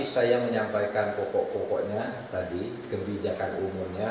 saya menyampaikan pokok pokoknya tadi kebijakan umurnya